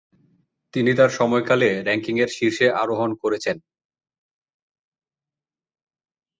তিনি তার সময়কালে র্যাঙ্কিংয়ের শীর্ষে আরোহণ করেছেন।